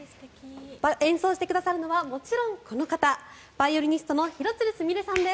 演奏してくださるのはもちろんこの方バイオリニストの廣津留すみれさんです。